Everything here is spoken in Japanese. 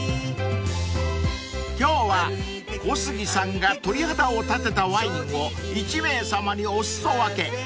［今日は小杉さんが鳥肌を立てたワインを１名様にお裾分け］